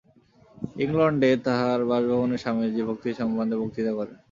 ইংলণ্ডে তাঁহার বাসভবনে স্বামীজী ভক্তি সম্বন্ধে বক্তৃতা করেন।